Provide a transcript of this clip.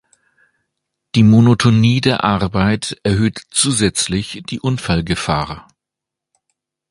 Die Monotonie der Arbeit erhöht zusätzlich die Unfallgefahr.